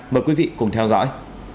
mời quý vị cùng theo dõi